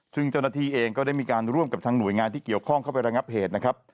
ซึ่งเจ้าหน้าที่เองก็ได้มีการร่วมกับทางหน่วยงานที่เกี่ยวข้องเข้าไประงับเหตุนะครับ